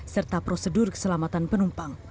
serta prosedur keselamatan penumpang